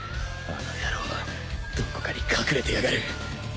あの野郎どこかに隠れてやがる。